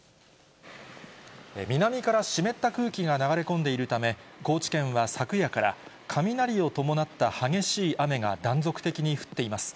南から湿った空気が流れ込んでいるため、高知県は昨夜から、雷を伴った激しい雨が断続的に降っています。